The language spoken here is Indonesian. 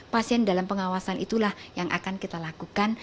pasien dalam pengawasan itulah yang akan kita lakukan